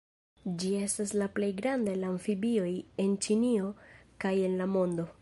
Ĝi estas la plej granda el la amfibioj en Ĉinio kaj en la mondo.